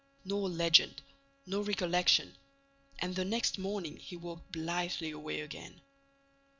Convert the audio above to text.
No legend, no recollection. And the next morning he walked blithely away again.